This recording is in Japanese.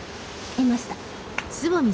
いました。